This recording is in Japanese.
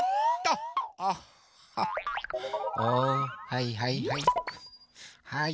はいはいはい。